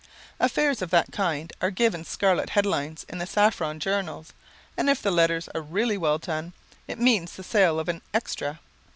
Affairs of that kind are given scarlet headlines in the saffron journals, and if the letters are really well done, it means the sale of an "extra."